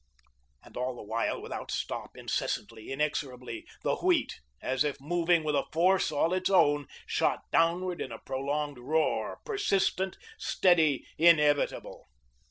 And all the while without stop, incessantly, inexorably, the wheat, as if moving with a force all its own, shot downward in a prolonged roar, persistent, steady, inevitable.